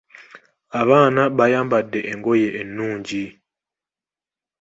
Abaana bayambadde engoye ennungi.